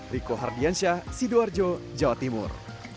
riko hardiansyah sidoarjo jawa timur